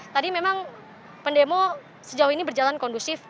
tadi memang pendemo sejauh ini berjalan kondusif